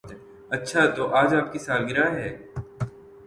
اچھا تو آج آپ کی سالگرہ ہے